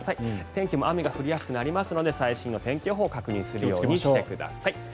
天気も雨が降りやすくなりますので最新の天気予報を確認するようにしてください。